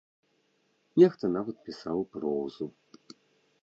Нехта нават пісаў прозу.